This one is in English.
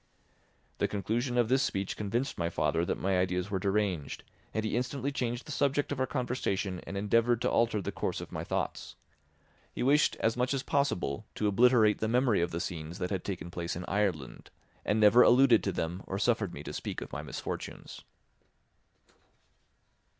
The conclusion of this speech convinced my father that my ideas were deranged, and he instantly changed the subject of our conversation and endeavoured to alter the course of my thoughts. He wished as much as possible to obliterate the memory of the scenes that had taken place in Ireland and never alluded to them or suffered me to speak of my misfortunes.